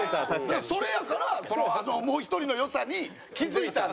それやからそのもう１人の良さに気付いた。